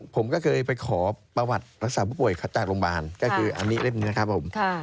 ผมก็เคยไปขอประวัติรักษาผู้ป่วยจากโรงพยาบาลก็คืออันนี้เล่มนะครับผม